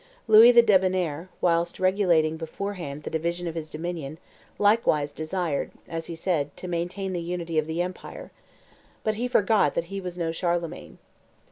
Louis the Debonnair, whilst regulating beforehand the division of his dominion, likewise desired, as he said, to maintain the unity of the empire. But he forgot that he was no Charlemagne.